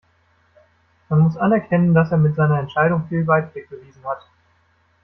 Man muss anerkennen, dass er mit seiner Entscheidung viel Weitblick bewiesen hat.